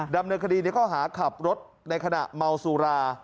ดำเนินคดีในข้อหาขับรถในขณะเมาสุรา